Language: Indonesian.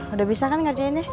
udah bisa kan ngerjainnya